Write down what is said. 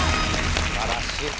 素晴らしい。